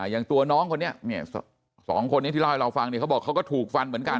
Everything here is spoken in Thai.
อย่างตัวน้องคนนี้สองคนนี้ที่เล่าให้เราฟังเนี่ยเขาบอกเขาก็ถูกฟันเหมือนกัน